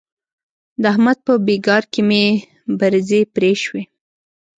د احمد په بېګار کې مې برځې پرې شوې.